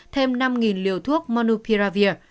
thêm năm liều thuốc monopiravir